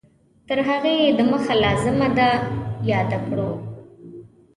تر هغې د مخه لازمه ده یاده کړو